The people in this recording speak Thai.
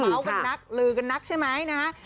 กันนักลือกันนักใช่ไหมนะฮะ